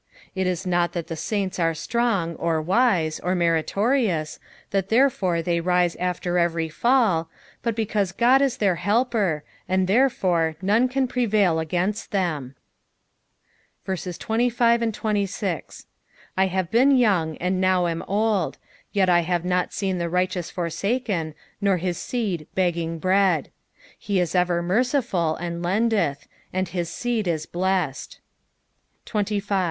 It is not that the saints are ■ Strang, or wise, or meritorious, that therefore they rise after every fall, but because Qod is their helper, and therefore none can prevail against them. 25 I have been young, and tttna am old ; yet have I not seen the V. righteous forsaken, nor his seed begging bread. ' 26 ffe ts ever merciful, and lendeth ; and his seed is blessed. SS.